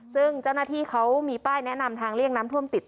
ซึ่งเจ้าหน้าที่เขามีป้ายแนะนำทางเลี่ยงน้ำท่วมติด